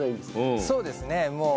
そうですね。